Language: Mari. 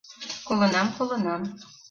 — Колынам, колынам.